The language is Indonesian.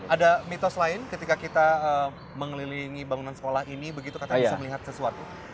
ada mitos lain ketika kita mengelilingi bangunan sekolah ini begitu kata bisa melihat sesuatu